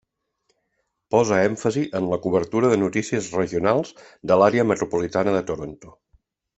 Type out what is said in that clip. Posa èmfasi en la cobertura de notícies regionals de l'Àrea metropolitana de Toronto.